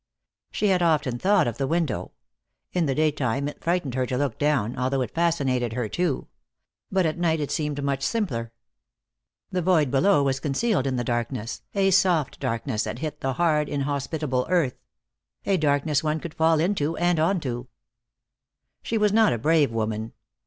She had often thought of the window, In the day time it frightened her to look down, although it fascinated her, too. But at night it seemed much simpler. The void below was concealed in the darkness, a soft darkness that hid the hard, inhospitable earth. A darkness one could fall into and onto. She was not a brave woman.